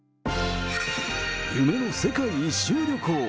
夢の世界一周旅行？